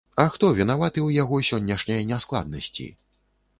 А хто вінаваты ў яго сённяшняй няскладнасці?